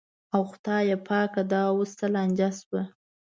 او خدایه پاکه دا اوس څه لانجه شوه.